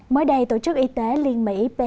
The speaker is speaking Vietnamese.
mới đây tổ chức y tế liên mỹ bày tỏ